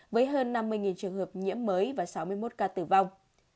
với hơn năm mươi trường hợp nhiễm mới và sáu mươi một ca tử vong